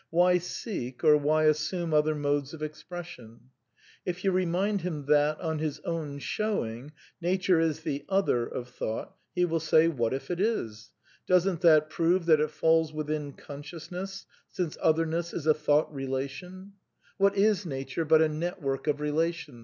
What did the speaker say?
Why seek, or why assume other modes of expression? If you rei^ind hL that, on his own showing, Nature is the " other " of Thought, he will say. What if it is ? Doesn^t that prove that it falls within consciousness, since otherness is a ^' thought relation "?\ SOME QUESTIONS OF METAPHYSICS 117 What is Nature but a network of relation!